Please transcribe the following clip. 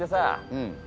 うん。